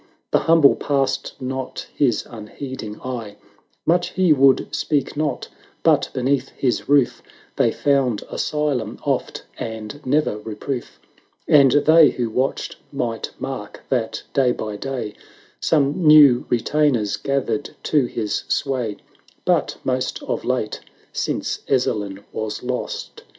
The humble passed not his unheeding eye; 830 Much he would speak not, but beneath his roof They found asylum oft, and ne'er reproof. And they who watched might mark that, day by day, Some new retainers gathered to his sway; But most of late, since Ezzelin was lost.